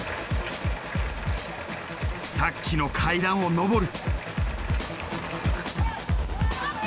さっきの階段を上る。